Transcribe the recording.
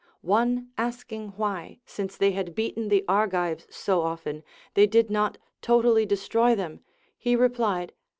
One asking why, since they had beaten the Argives so often, they did not totally destroy them, he replied.